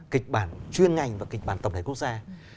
kịch bản chuyên ngành và kịch bản tổng thể quốc gia